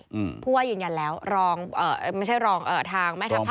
เพราะว่ายืนยันแล้วรองไม่ใช่รองทางแม่ทัพภาคห้า